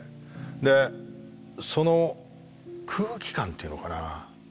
でその空気感っていうのかな